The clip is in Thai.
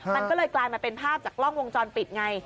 มันก็เลยกลายมาเป็นภาพจากกล้องวงจรปิดไง